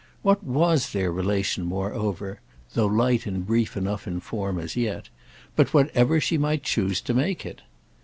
What was their relation moreover—though light and brief enough in form as yet—but whatever she might choose to make it?